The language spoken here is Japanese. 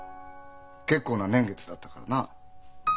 結構な年月だったからな。